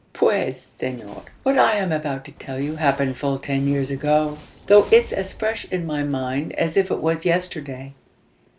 "Puez senor! what I am about to tell you happened full ten years ago, though it's as fresh in my mind as if it was yesterday.